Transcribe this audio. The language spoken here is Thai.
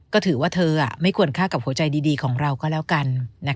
ก็ถือว่าเธอไม่ควรฆ่ากับหัวใจดีของเราก็แล้วกัน